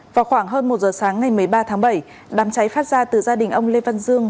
vào khoảng hơn một giờ sáng ngày một mươi ba tháng bảy đám cháy phát ra từ gia đình ông lê văn dương